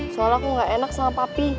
soalnya aku gak enak sama papi